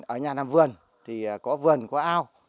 ở nhà nam vườn thì có vườn có ao